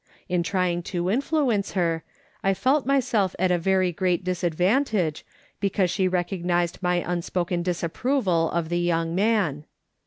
In trying to influence her, I felt myself at a very great disadvantage, because she re cognised my unspoken disapproval of the young man.